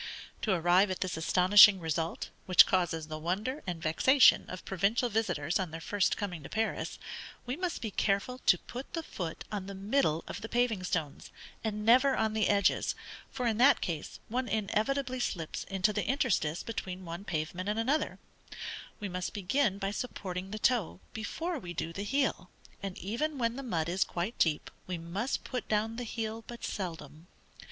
To arrive at this astonishing result, which causes the wonder and vexation of provincial visitors on their first coming to Paris, we must be careful to put the foot on the middle of the paving stones, and never on the edges, for, in that case, one inevitably slips into the interstice between one pavement and another: we must begin by supporting the toe, before we do the heel; and even when the mud is quite deep, we must put down the heel but seldom.